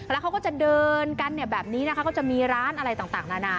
แล้วเขาก็จะเดินกันเนี่ยแบบนี้นะคะก็จะมีร้านอะไรต่างนานา